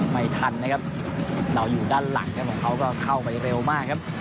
ไม่ทันนะครับเราอยู่ด้านหลังครับของเขาก็เข้าไปเร็วมากครับ